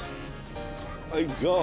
はいゴー！